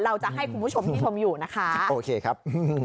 เราจะให้คุณผู้ชมที่ชมอยู่นะคะโอเคครับอืม